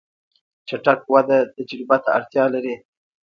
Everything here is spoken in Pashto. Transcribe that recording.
چټک وده تجربه ته اړتیا لري.